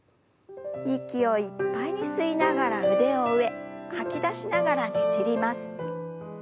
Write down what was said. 息をいっぱいに吸いながら腕を上吐き出しながらねじります。